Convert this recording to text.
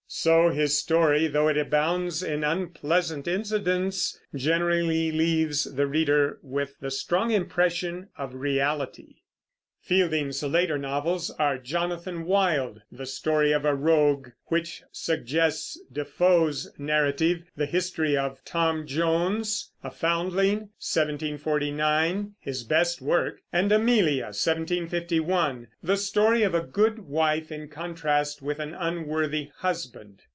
So his story, though it abounds in unpleasant incidents, generally leaves the reader with the strong impression of reality. Fielding's later novels are Jonathan Wild, the story of a rogue, which suggests Defoe's narrative; The History of Tom Jones, a Foundling (1749), his best work; and Amelia (1751), the story of a good wife in contrast with an unworthy husband.